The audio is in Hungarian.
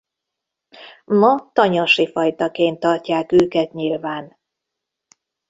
Ma tanyasi fajtaként tartják őket nyilván.